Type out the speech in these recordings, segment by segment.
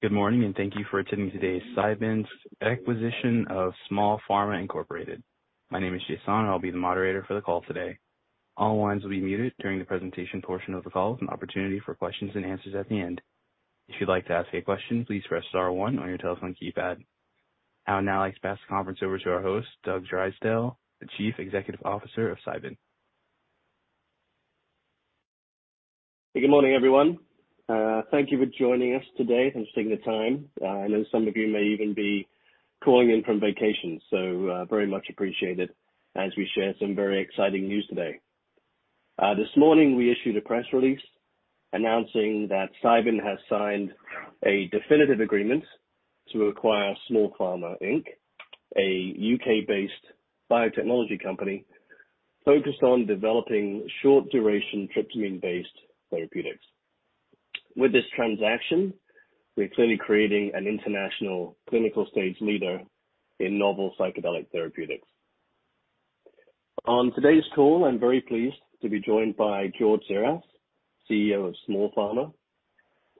Good morning, and thank you for attending today's Cybin's acquisition of Small Pharma Incorporated. My name is Jason, I'll be the moderator for the call today. All lines will be muted during the presentation portion of the call, with an opportunity for questions and answers at the end. If you'd like to ask a question, please press star one on your telephone keypad. I'll now like to pass the conference over to our host, Doug Drysdale, the Chief Executive Officer of Cybin. Good morning, everyone. Thank you for joining us today and taking the time. I know some of you may even be calling in from vacation, so, very much appreciated as we share some very exciting news today. This morning, we issued a press release announcing that Cybin has signed a definitive agreement to acquire Small Pharma Inc., a U.K.-based biotechnology company focused on developing short-duration tryptamine-based therapeutics. With this transaction, we're clearly creating an international clinical-stage leader in novel psychedelic therapeutics. On today's call, I'm very pleased to be joined by George Tziras, CEO of Small Pharma.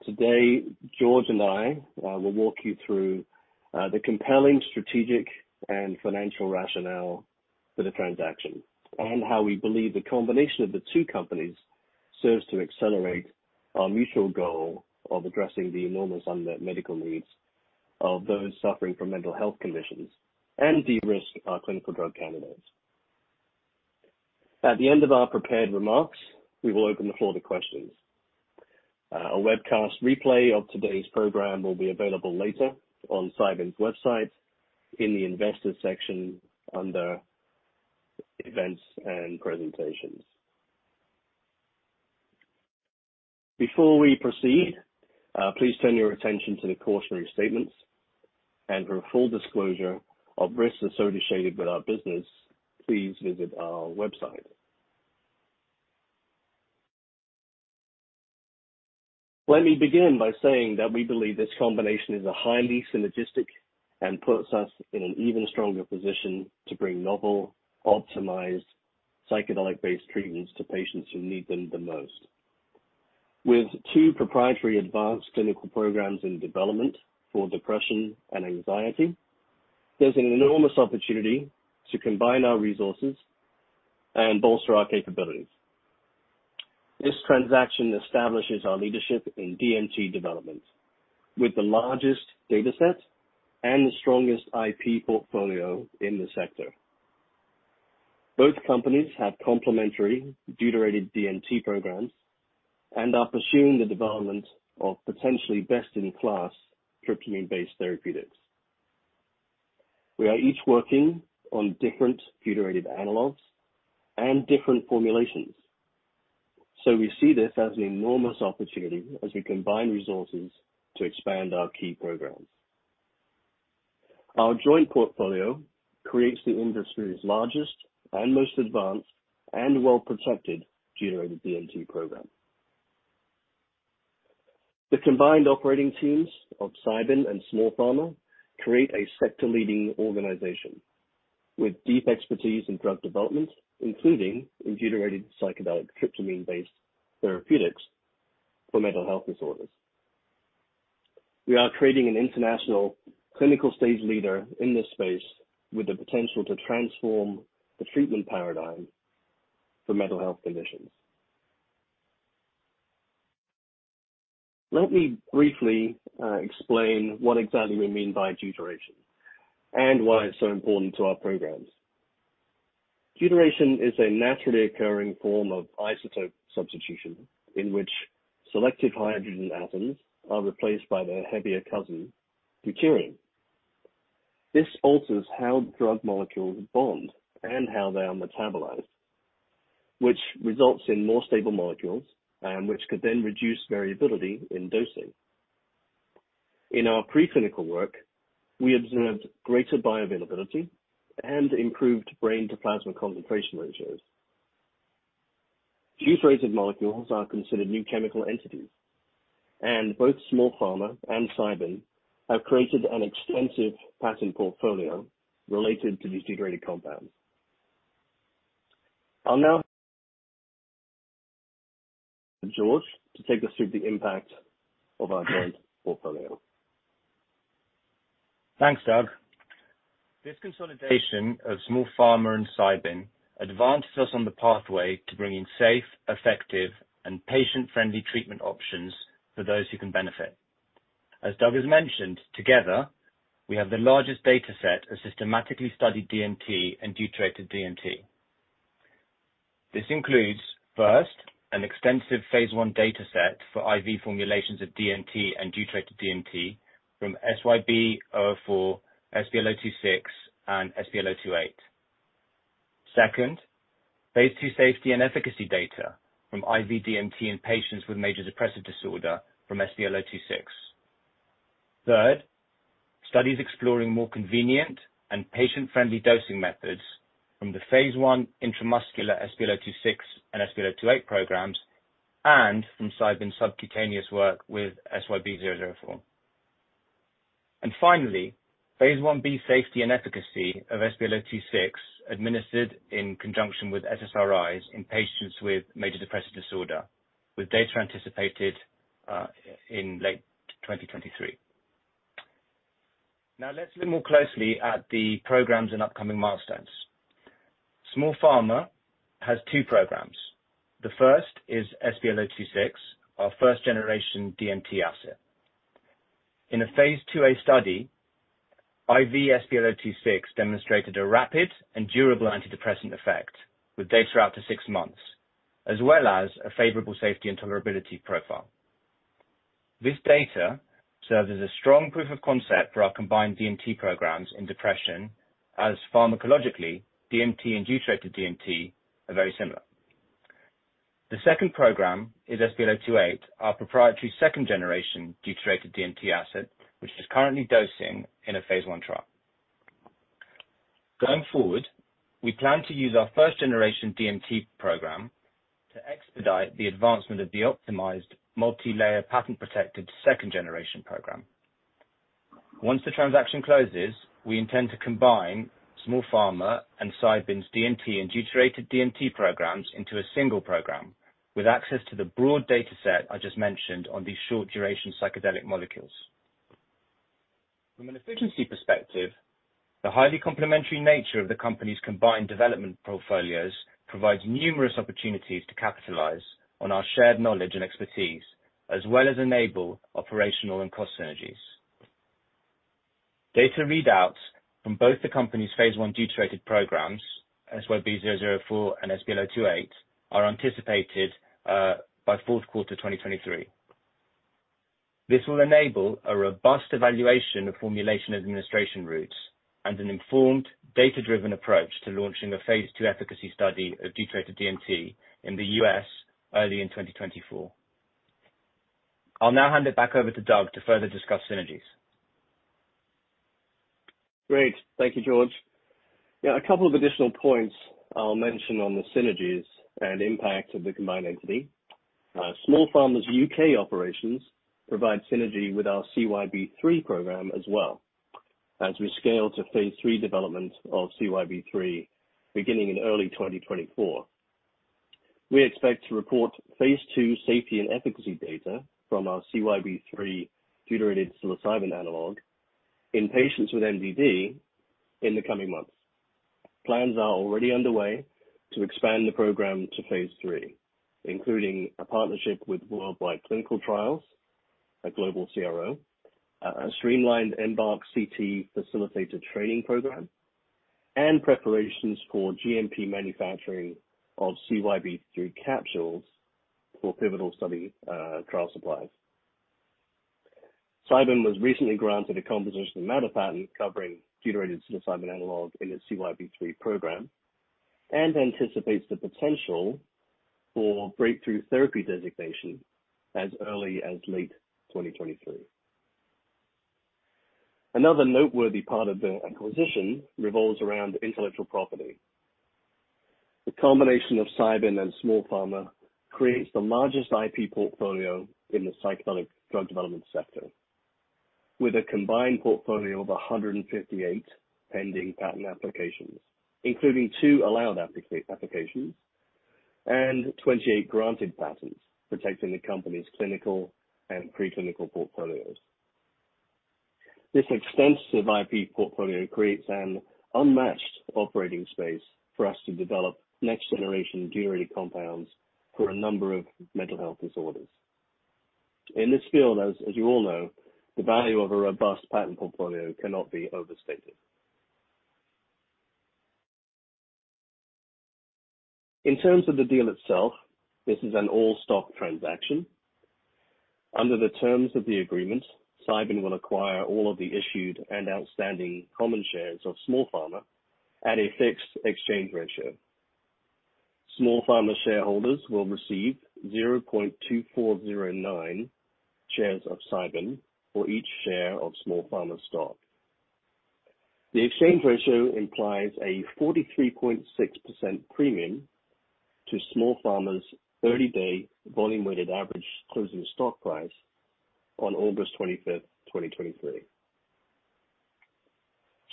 Today, George and I will walk you through the compelling strategic and financial rationale for the transaction and how we believe the combination of the two companies serves to accelerate our mutual goal of addressing the enormous unmet medical needs of those suffering from mental health conditions and de-risk our clinical drug candidates. At the end of our prepared remarks, we will open the floor to questions. A webcast replay of today's program will be available later on Cybin's website in the Investors section under Events and Presentations. Before we proceed, please turn your attention to the cautionary statements, and for a full disclosure of risks associated with our business, please visit our website. Let me begin by saying that we believe this combination is highly synergistic and puts us in an even stronger position to bring novel, optimized, psychedelic-based treatments to patients who need them the most. With two proprietary advanced clinical programs in development for depression and anxiety, there's an enormous opportunity to combine our resources and bolster our capabilities. This transaction establishes our leadership in DMT development, with the largest data set and the strongest IP portfolio in the sector. Both companies have complementary deuterated DMT programs and are pursuing the development of potentially best-in-class tryptamine-based therapeutics. We are each working on different deuterated analogs and different formulations, so we see this as an enormous opportunity as we combine resources to expand our key programs. Our joint portfolio creates the industry's largest and most advanced and well-protected deuterated DMT program. The combined operating teams of Cybin and Small Pharma create a sector-leading organization with deep expertise in drug development, including in deuterated psychedelic tryptamine-based therapeutics for mental health disorders. We are creating an international clinical stage leader in this space with the potential to transform the treatment paradigm for mental health conditions. Let me briefly explain what exactly we mean by deuteration and why it's so important to our programs. Deuteration is a naturally occurring form of isotope substitution in which selective hydrogen atoms are replaced by their heavier cousin, deuterium. This alters how drug molecules bond and how they are metabolized, which results in more stable molecules and which could then reduce variability in dosing. In our preclinical work, we observed greater bioavailability and improved brain to plasma concentration ratios. Deuterated molecules are considered new chemical entities, and both Small Pharma and Cybin have created an extensive patent portfolio related to these deuterated compounds. I'll now... George, to take us through the impact of our joint portfolio. Thanks, Doug. This consolidation of Small Pharma and Cybin advances us on the pathway to bringing safe, effective, and patient-friendly treatment options for those who can benefit. As Doug has mentioned, together, we have the largest data set of systematically studied DMT and deuterated DMT. This includes, first, an extensive Phase I data set for IV formulations of DMT and deuterated DMT from CYB004, SPL026, and SPL028. Second, Phase II safety and efficacy data from IV DMT in patients with major depressive disorder from SPL026. Third, studies exploring more convenient and patient-friendly dosing methods from the Phase I intramuscular SPL026 and SPL028 programs and from Cybin's subcutaneous work with CYB004. And finally, Phase Ib safety and efficacy of SPL026, administered in conjunction with SSRIs in patients with major depressive disorder, with data anticipated in late 2023. Now let's look more closely at the programs and upcoming milestones. Small Pharma has two programs. The first is SPL026, our first-generation DMT asset. In a Phase IIa study, IV SPL026 demonstrated a rapid and durable antidepressant effect, with data out to six months, as well as a favorable safety and tolerability profile. This data serves as a strong proof of concept for our combined DMT programs in depression, as pharmacologically, DMT and deuterated DMT are very similar. The second program is SPL028, our proprietary second generation deuterated DMT asset, which is currently dosing in a Phase I trial. Going forward, we plan to use our first-generation DMT program to expedite the advancement of the optimized multilayer patent-protected second generation program. Once the transaction closes, we intend to combine Small Pharma and Cybin's DMT and deuterated DMT programs into a single program, with access to the broad data set I just mentioned on these short-duration psychedelic molecules. From an efficiency perspective, the highly complementary nature of the company's combined development portfolios provides numerous opportunities to capitalize on our shared knowledge and expertise, as well as enable operational and cost synergies. Data readouts from both the company's Phase I deuterated programs, CYB004 and SPL028, are anticipated by fourth quarter 2023. This will enable a robust evaluation of formulation and administration routes, and an informed, data-driven approach to launching a Phase II efficacy study of deuterated DMT in the U.S. early in 2024. I'll now hand it back over to Doug to further discuss synergies. Great. Thank you, George. Yeah, a couple of additional points I'll mention on the synergies and impact of the combined entity. Small Pharma's U.K. operations provide synergy with our CYB003 program as well, as we scale to Phase III development of CYB003, beginning in early 2024. We expect to report Phase II safety and efficacy data from our CYB003 deuterated psilocybin analog in patients with MDD in the coming months. Plans are already underway to expand the program to Phase III, including a partnership with Worldwide Clinical Trials, a global CRO, a streamlined EMBARK CT facilitator training program, and preparations for GMP manufacturing of CYB003 capsules for pivotal study, trial supplies. Cybin was recently granted a composition of matter patent, covering deuterated psilocybin analog in its CYB003 program, and anticipates the potential for breakthrough therapy designation as early as late 2023. Another noteworthy part of the acquisition revolves around intellectual property. The combination of Cybin and Small Pharma creates the largest IP portfolio in the psychedelic drug development sector, with a combined portfolio of 158 pending patent applications, including two allowed applications and 28 granted patents, protecting the company's clinical and preclinical portfolios. This extensive IP portfolio creates an unmatched operating space for us to develop next-generation deuterated compounds for a number of mental health disorders. In this field, as you all know, the value of a robust patent portfolio cannot be overstated. In terms of the deal itself, this is an all-stock transaction. Under the terms of the agreement, Cybin will acquire all of the issued and outstanding common shares of Small Pharma at a fixed exchange ratio. Small Pharma shareholders will receive 0.2409 shares of Cybin for each share of Small Pharma stock. The exchange ratio implies a 43.6% premium to Small Pharma's 30-day volume-weighted average closing stock price on August 25th, 2023.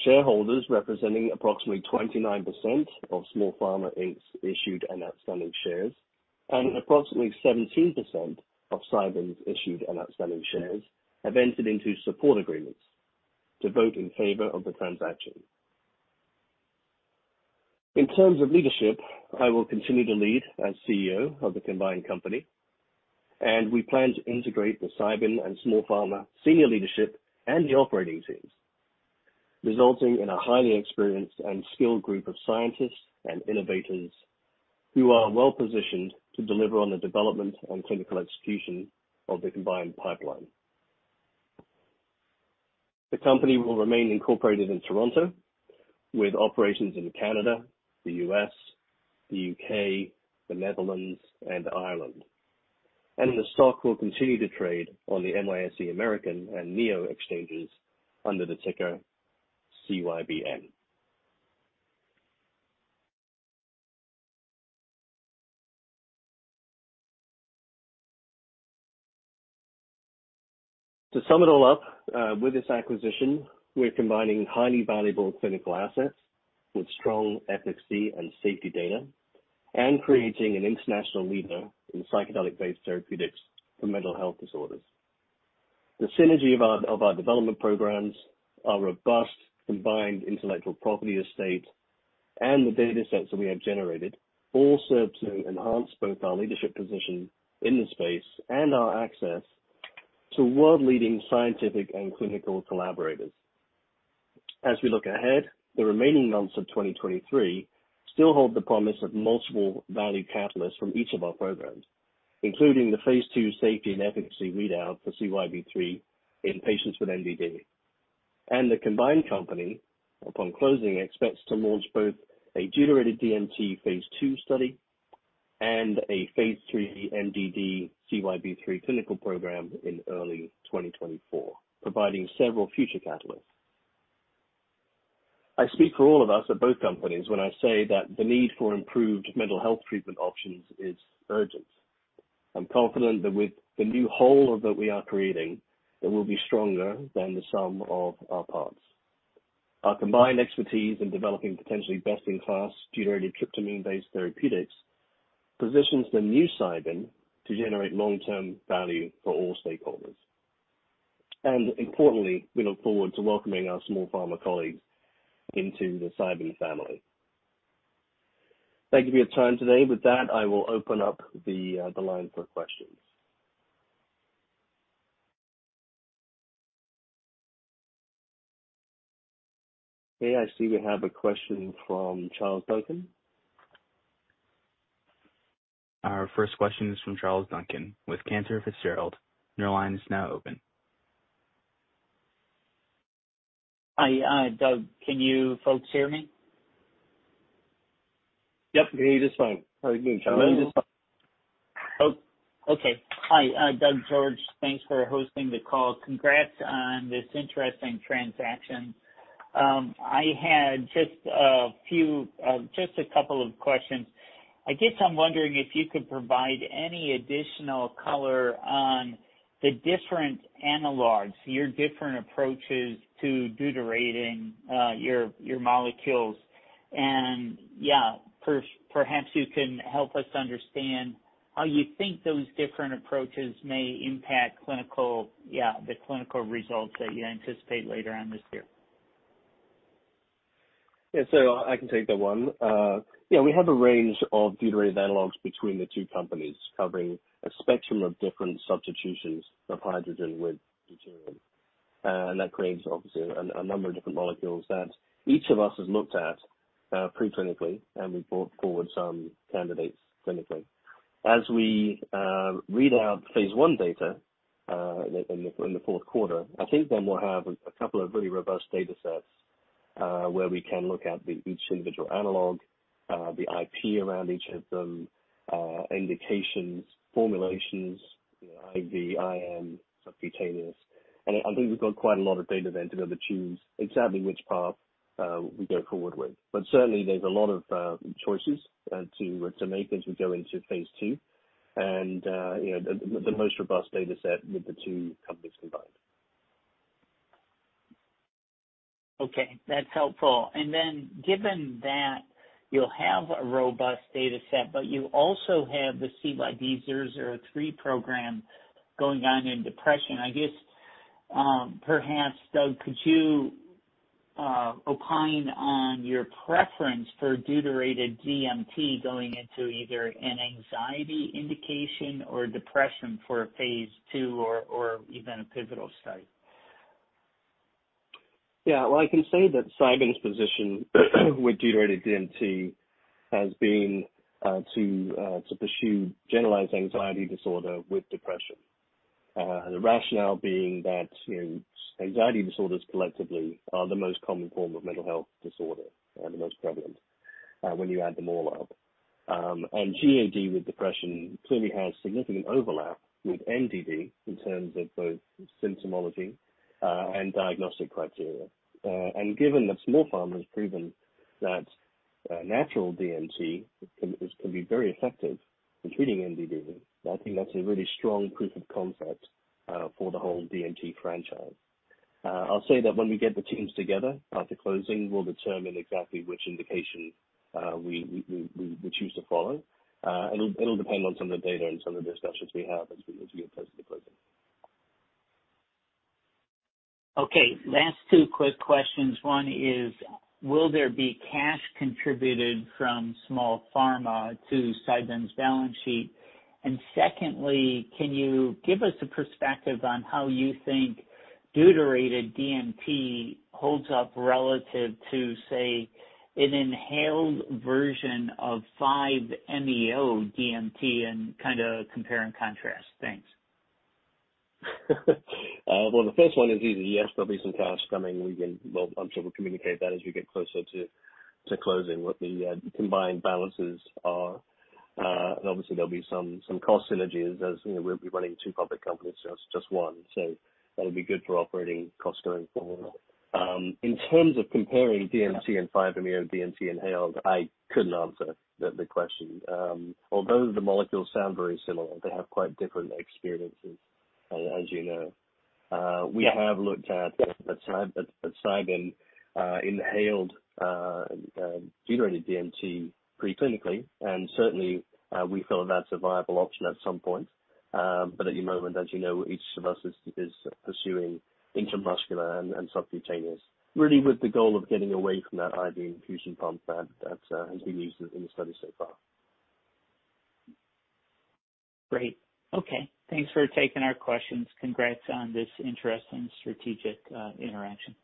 Shareholders representing approximately 29% of Small Pharma Inc's issued and outstanding shares, and approximately 17% of Cybin's issued and outstanding shares, have entered into support agreements to vote in favor of the transaction. In terms of leadership, I will continue to lead as CEO of the combined company, and we plan to integrate the Cybin and Small Pharma senior leadership and the operating teams, resulting in a highly experienced and skilled group of scientists and innovators who are well positioned to deliver on the development and clinical execution of the combined pipeline. The company will remain incorporated in Toronto, with operations in Canada, the U.S., the U.K., the Netherlands, and Ireland. The stock will continue to trade on the NYSE American and NEO exchanges under the ticker CYBN. To sum it all up, with this acquisition, we're combining highly valuable clinical assets with strong efficacy and safety data, and creating an international leader in psychedelic-based therapeutics for mental health disorders. The synergy of our, of our development programs, our robust combined intellectual property estate, and the data sets that we have generated, all serve to enhance both our leadership position in the space and our access to world-leading scientific and clinical collaborators. As we look ahead, the remaining months of 2023 still hold the promise of multiple value catalysts from each of our programs, including the Phase II safety and efficacy readout for CYB003 in patients with MDD. The combined company, upon closing, expects to launch both a deuterated DMT Phase II study and a Phase III MDD CYB003 clinical program in early 2024, providing several future catalysts. I speak for all of us at both companies when I say that the need for improved mental health treatment options is urgent. I'm confident that with the new whole that we are creating, it will be stronger than the sum of our parts. Our combined expertise in developing potentially best-in-class deuterated tryptamine-based therapeutics positions the new Cybin to generate long-term value for all stakeholders. And importantly, we look forward to welcoming our Small Pharma colleagues into the Cybin family. Thank you for your time today. With that, I will open up the line for questions. Okay, I see we have a question from Charles Duncan. Our first question is from Charles Duncan with Cantor Fitzgerald. Your line is now open. Hi, Doug, can you folks hear me? Yep. We're just fine. Very good, Charles. Oh, okay. Hi, Doug, George, thanks for hosting the call. Congrats on this interesting transaction. I had just a few, just a couple of questions. I guess I'm wondering if you could provide any additional color on the different analogs, your different approaches to deuterating, your, your molecules. And yeah, perhaps you can help us understand how you think those different approaches may impact clinical... yeah, the clinical results that you anticipate later on this year. Yeah, so I can take that one. Yeah, we have a range of deuterated analogs between the two companies, covering a spectrum of different substitutions of hydrogen with deuterium. And that creates, obviously, a number of different molecules that each of us has looked at, preclinically, and we've brought forward some candidates clinically. As we read out Phase I data, in the fourth quarter, I think then we'll have a couple of really robust data sets, where we can look at each individual analog, the IP around each of them, indications, formulations, you know, IV, IM, subcutaneous. And I think we've got quite a lot of data then to be able to choose exactly which path we go forward with. Certainly there's a lot of choices to make as we go into Phase II. You know, the most robust data set with the two companies combined. Okay, that's helpful. And then given that you'll have a robust data set, but you also have the CYB003 program going on in depression, I guess, perhaps, Doug, could you opine on your preference for deuterated DMT going into either an anxiety indication or depression for a Phase II or even a pivotal study? Yeah. Well, I can say that Cybin's position with deuterated DMT has been to pursue generalized anxiety disorder with depression. The rationale being that, you know, anxiety disorders collectively are the most common form of mental health disorder and the most prevalent when you add them all up. And GAD with depression clearly has significant overlap with MDD in terms of both symptomology and diagnostic criteria. And given that Small Pharma has proven that natural DMT can be very effective in treating MDD, I think that's a really strong proof of concept for the whole DMT franchise. I'll say that when we get the teams together, after closing, we'll determine exactly which indication we choose to follow. And it'll depend on some of the data and some of the discussions we have as we get close to the closing. Okay. Last two quick questions. One is, will there be cash contributed from Small Pharma to Cybin's balance sheet? And secondly, can you give us a perspective on how you think deuterated DMT holds up relative to, say, an inhaled version of 5-MeO-DMT and kind of compare and contrast? Thanks. Well, the first one is easy. Yes, there'll be some cash coming. We can-- Well, I'm sure we'll communicate that as we get closer to closing, what the combined balances are. And obviously there'll be some cost synergies as, you know, we'll be running two public companies, so it's just one. So that'll be good for operating costs going forward. In terms of comparing DMT and 5-MeO-DMT inhaled, I couldn't answer the question. Although the molecules sound very similar, they have quite different experiences, as you know. We have looked at Cybin inhaled deuterated DMT preclinically, and certainly we feel that's a viable option at some point. But at the moment, as you know, each of us is pursuing intramuscular and subcutaneous, really with the goal of getting away from that IV infusion pump that has been used in the study so far. Great. Okay, thanks for taking our questions. Congrats on this interesting strategic interaction.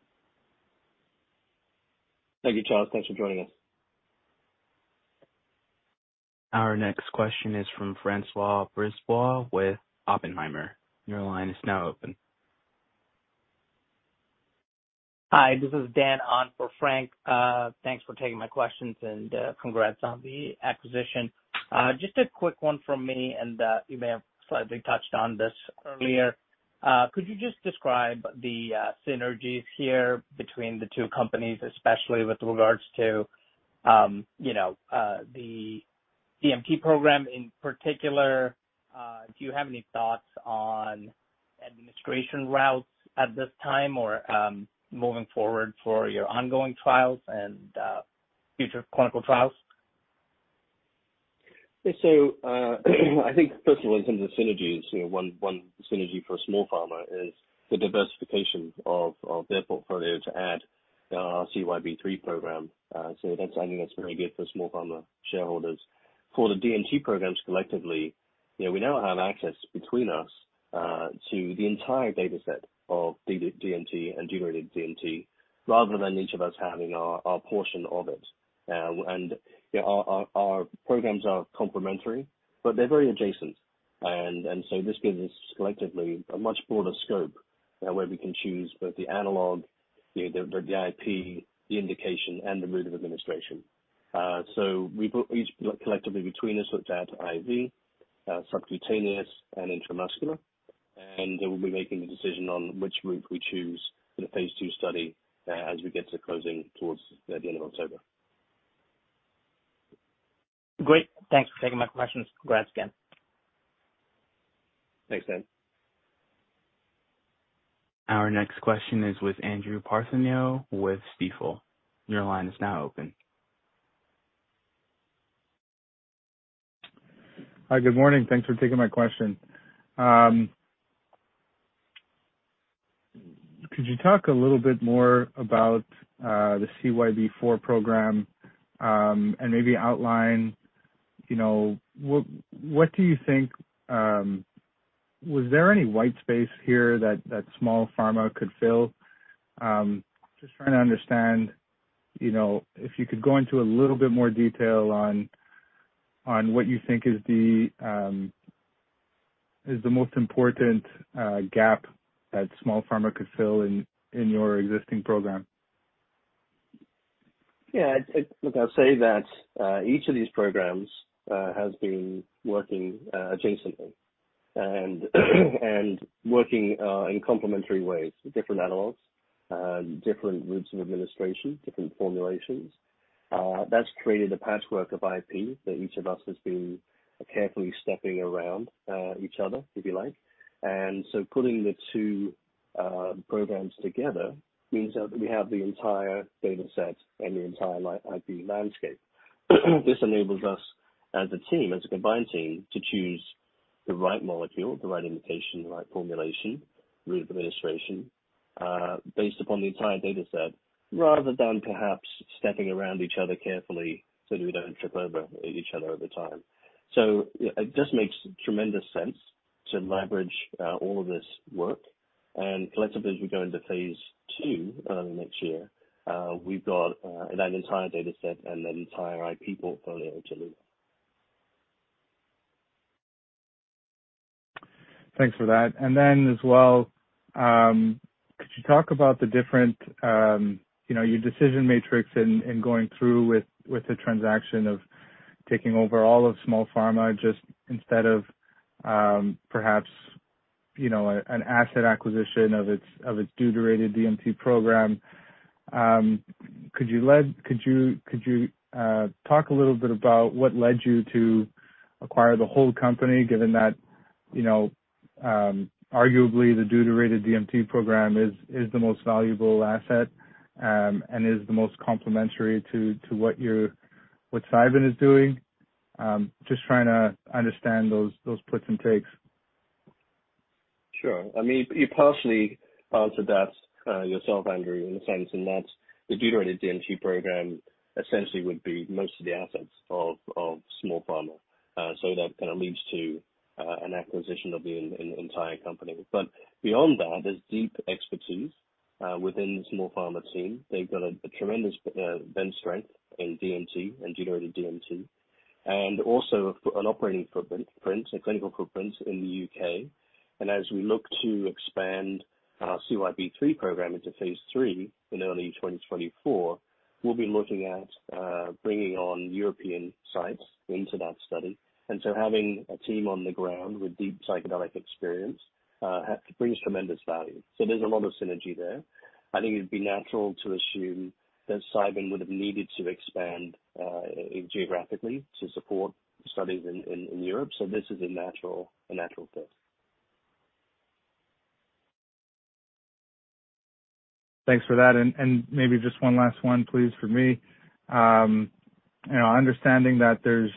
Thank you, Charles. Thanks for joining us. Our next question is from François Brisebois with Oppenheimer. Your line is now open. Hi, this is Dan on for Frank. Thanks for taking my questions, and congrats on the acquisition. Just a quick one from me, and you may have slightly touched on this earlier. Could you just describe the synergies here between the two companies, especially with regards to, you know, the DMT program in particular? Do you have any thoughts on administration routes at this time or moving forward for your ongoing trials and future clinical trials? Yeah, so, I think first of all, in terms of synergies, you know, one synergy for Small Pharma is the diversification of their portfolio to add our CYB003 program. So that's, I think, that's very good for Small Pharma shareholders. For the DMT programs collectively, you know, we now have access between us to the entire dataset of D-DMT and deuterated DMT, rather than each of us having our portion of it. And, you know, our programs are complementary, but they're very adjacent. And so this gives us collectively a much broader scope, where we can choose both the analog, the IP, the indication, and the route of administration. So we put each collectively between us, looked at IV, subcutaneous, and intramuscular, and then we'll be making a decision on which route we choose for the Phase II study, as we get to closing towards the end of October. Great. Thanks for taking my questions. Congrats again. Thanks, Dan. Our next question is with Andrew Partheniou with Stifel. Your line is now open. Hi, good morning. Thanks for taking my question. Could you talk a little bit more about the CYB004 program, and maybe outline, you know, what do you think... Was there any white space here that Small Pharma could fill? Just trying to understand, you know, if you could go into a little bit more detail on what you think is the most important gap that Small Pharma could fill in your existing program. Yeah, look, I'll say that each of these programs has been working adjacently and working in complementary ways, different analogs, different routes of administration, different formulations. That's created a patchwork of IP that each of us has been carefully stepping around each other, if you like. And so pulling the two programs together means that we have the entire dataset and the entire IP landscape. This enables us as a team, as a combined team, to choose the right molecule, the right indication, the right formulation, route of administration, based upon the entire dataset, rather than perhaps stepping around each other carefully so we don't trip over each other over time. So it just makes tremendous sense to leverage all of this work. Collectively, as we go into Phase II next year, we've got that entire dataset and that entire IP portfolio to leverage. Thanks for that. And then as well, could you talk about the different, you know, your decision matrix in going through with the transaction of taking over all of Small Pharma, just instead of, perhaps, you know, an asset acquisition of its deuterated DMT program. Could you talk a little bit about what led you to acquire the whole company, given that, you know, arguably the deuterated DMT program is the most valuable asset and is the most complementary to what you're—what Cybin is doing? Just trying to understand those puts and takes. Sure. I mean, you partially answered that yourself, Andrew, in the sense in that the deuterated DMT program essentially would be most of the assets of Small Pharma. So that kind of leads to an acquisition of the entire company. But beyond that, there's deep expertise within the Small Pharma team. They've got a tremendous bench strength in DMT and deuterated DMT, and also an operating footprint, a clinical footprint in the U.K. And as we look to expand our CYB003 program into Phase III in early 2024, we'll be looking at bringing on European sites into that study. And so having a team on the ground with deep psychedelic experience brings tremendous value. So there's a lot of synergy there. I think it'd be natural to assume that Cybin would have needed to expand geographically to support studies in Europe. So this is a natural fit. Thanks for that. And maybe just one last one, please, for me. You know, understanding that there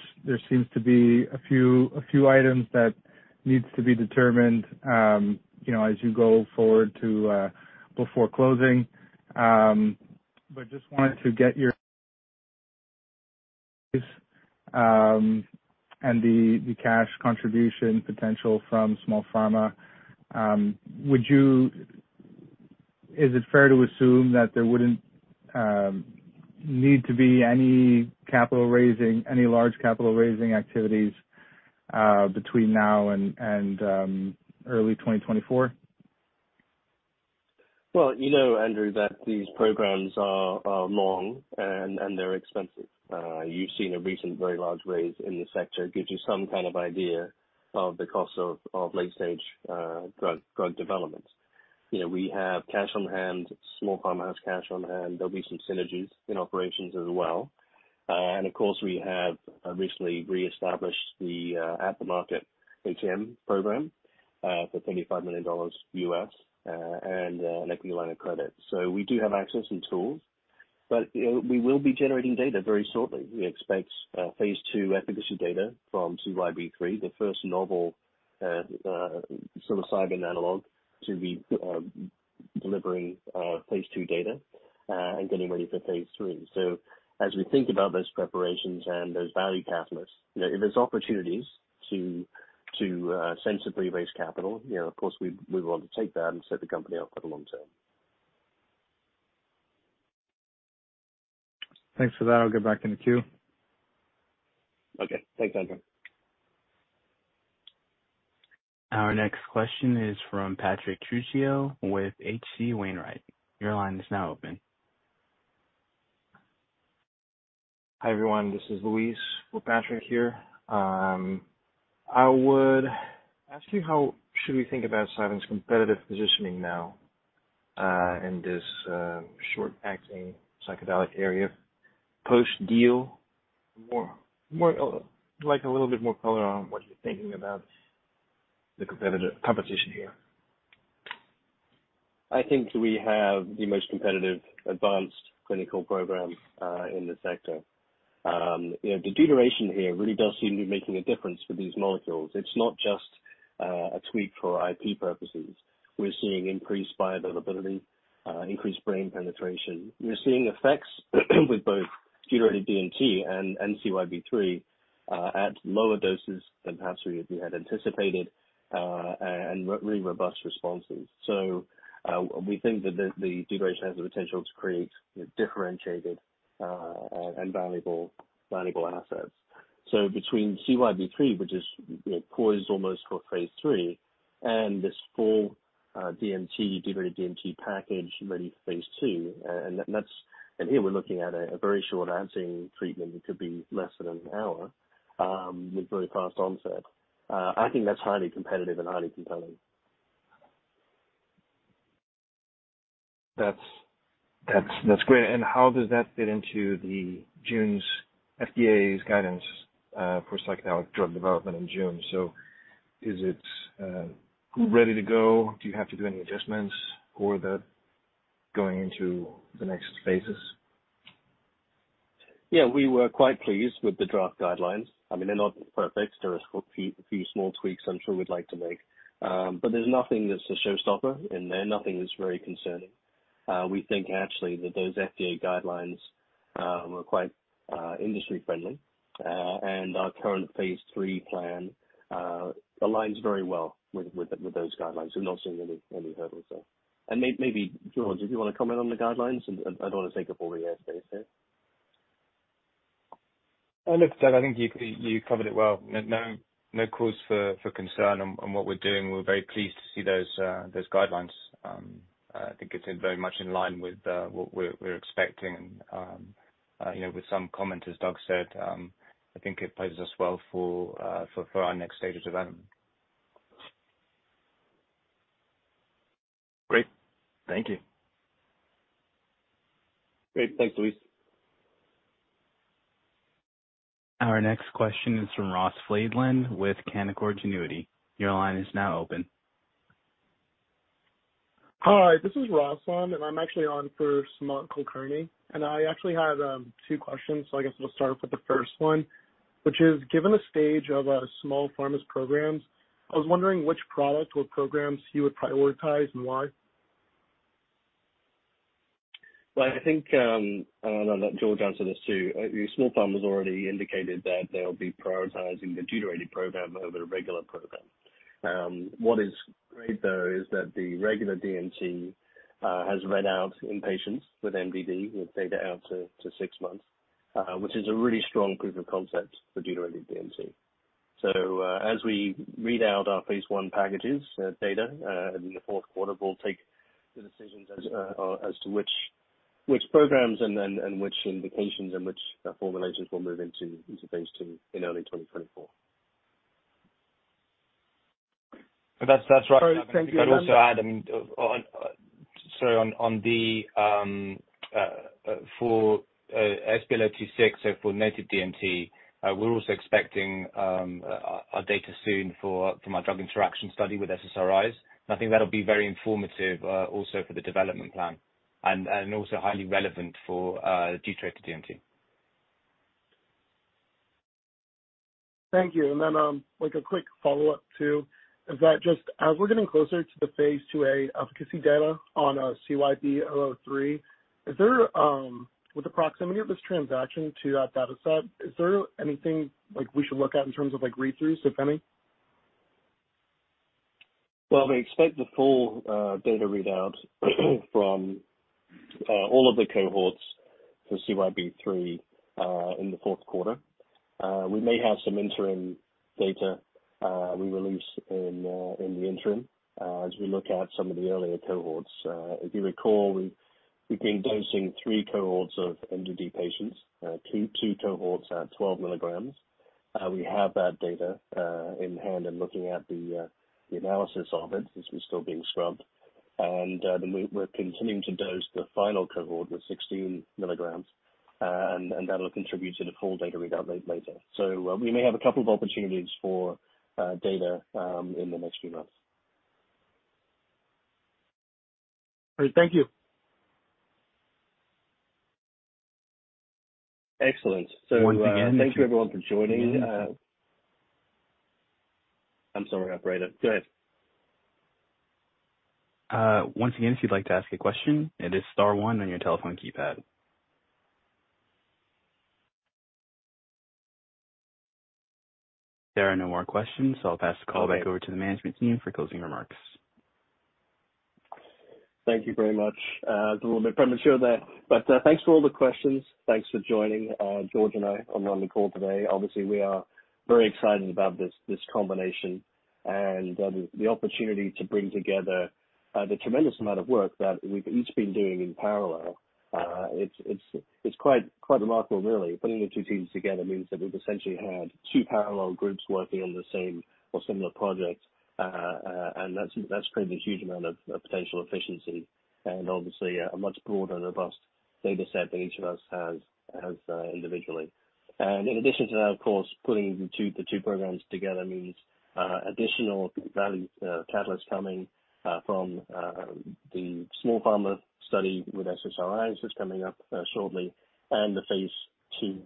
seems to be a few items that needs to be determined, you know, as you go forward to before closing. But just wanted to get your and the cash contribution potential from Small Pharma. Is it fair to assume that there wouldn't need to be any capital raising, any large capital raising activities, between now and early 2024? Well, you know, Andrew, that these programs are long and they're expensive. You've seen a recent very large raise in the sector, gives you some kind of idea of the cost of late-stage drug development. You know, we have cash on hand, Small Pharma has cash on hand. There'll be some synergies in operations as well. And of course, we have recently reestablished the at the market ATM program for $25 million and an equity line of credit. So we do have access and tools, but you know, we will be generating data very shortly. We expect Phase II efficacy data from CYB003, the first novel psilocybin analog to be delivering Phase II data and getting ready for Phase III. So as we think about those preparations and those value catalysts, you know, if there's opportunities to sensibly raise capital, you know, of course, we want to take that and set the company up for the long term. Thanks for that. I'll get back in the queue. Okay. Thanks, Andrew. Our next question is from Patrick Trucchio with H.C. Wainwright. Your line is now open. Hi, everyone. This is Luis. Well, Patrick here. I would ask you, how should we think about Cybin's competitive positioning now, in this short-acting psychedelic area, post-deal? More, more, like, a little bit more color on what you're thinking about the competition here. I think we have the most competitive advanced clinical program in the sector. You know, the deuteration here really does seem to be making a difference for these molecules. It's not just a tweak for IP purposes. We're seeing increased bioavailability, increased brain penetration. We're seeing effects with both deuterated DMT and CYB003 at lower doses than perhaps we had anticipated, and really robust responses. So we think that the deuteration has the potential to create differentiated and valuable assets. So between CYB003, which is, you know, poised almost for Phase III, and this full DMT, deuterated DMT package ready for Phase II, and that's... Here, we're looking at a very short-acting treatment. It could be less than an hour with very fast onset. I think that's highly competitive and highly compelling. That's great. How does that fit into the June's FDA's guidance for psychedelic drug development in June? So is it ready to go? Do you have to do any adjustments or that going into the next phases? Yeah, we were quite pleased with the draft guidelines. I mean, they're not perfect. There are a few small tweaks I'm sure we'd like to make, but there's nothing that's a showstopper in there. Nothing is very concerning. We think actually that those FDA guidelines are quite industry friendly, and our current Phase III plan aligns very well with those guidelines. We're not seeing any hurdles there. And maybe, George, did you want to comment on the guidelines? And I don't want to take up all the air space here. Look, Doug, I think you covered it well. No cause for concern on what we're doing. We're very pleased to see those guidelines. I think it's very much in line with what we're expecting. You know, with some comment, as Doug said, I think it places us well for our next stage of development. Great. Thank you. Great. Thanks, Luis. Our next question is from Ross Fladlien with Canaccord Genuity. Your line is now open. Hi, this is Ross Fladlien, and I'm actually on for Sumant Kulkarni. And I actually had two questions, so I guess we'll start off with the first one, which is, given the stage of Small Pharma's programs, I was wondering which product or programs you would prioritize and why? Well, I think, and I'll let George answer this too. Small Pharma has already indicated that they'll be prioritizing the deuterated program over the regular program. What is great though is that the regular DMT has read out in patients with MDD, with data out to six months, which is a really strong proof of concept for deuterated DMT. So, as we read out our Phase I packages data in the fourth quarter, we'll take the decisions as to which programs and then which indications and which formulations we'll move into Phase II in early 2024.... That's right. Thank you. I'd also add, I mean, on the SPL026, so for native DMT, we're also expecting our data soon for drug-drug interaction study with SSRIs. I think that'll be very informative, also for the development plan and also highly relevant for deuterated DMT. Thank you. And then, like a quick follow-up, too, is that just as we're getting closer to the phase IIa efficacy data on CYB003, is there, with the proximity of this transaction to that data set, is there anything like we should look at in terms of, like, read-throughs, if any? Well, we expect the full data readout from all of the cohorts for CYB003 in the fourth quarter. We may have some interim data we release in the interim as we look at some of the earlier cohorts. If you recall, we've been dosing three cohorts of MDD patients. Two cohorts at 12 milligrams. We have that data in hand and looking at the analysis of it, since we're still being scrubbed. Then we're continuing to dose the final cohort with 16 milligrams, and that'll contribute to the full data readout later. So we may have a couple of opportunities for data in the next few months. Great. Thank you. Excellent. So, thank you everyone for joining. I'm sorry, operator, go ahead. Once again, if you'd like to ask a question, it is star one on your telephone keypad. There are no more questions, so I'll pass the call back over to the management team for closing remarks. Thank you very much. It's a little bit premature there, but, thanks for all the questions. Thanks for joining, George and I, on the call today. Obviously, we are very excited about this combination and the opportunity to bring together the tremendous amount of work that we've each been doing in parallel. It's quite remarkable really. Putting the two teams together means that we've essentially had two parallel groups working on the same or similar projects. And that's created a huge amount of potential efficiency and obviously a much broader, robust data set than each of us has individually. In addition to that, of course, putting the two, the two programs together means additional value, catalysts coming from the Small Pharma study with SSRIs, that's coming up shortly, and the Phase II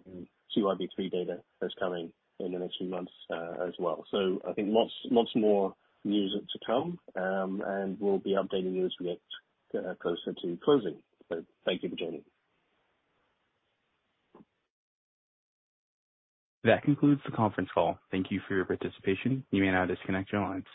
CYB003 data that's coming in the next few months, as well. So I think lots, lots more news to come. And we'll be updating you as we get closer to closing. So thank you for joining. That concludes the conference call. Thank you for your participation. You may now disconnect your lines.